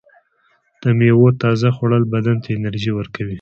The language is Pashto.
د میوو تازه خوړل بدن ته انرژي ورکوي.